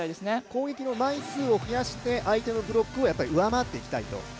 攻撃の枚数を増やして相手のブロックを上回っていきたいと？